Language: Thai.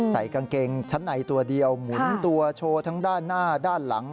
ใส่กางเกงชั้นในตัวเดียวหมุนตัวโชว์ทั้งด้านหน้าด้านหลัง